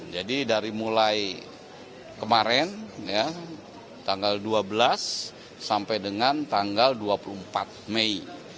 jadi dari mulai kemarin tanggal dua belas sampai dengan tanggal dua puluh empat mei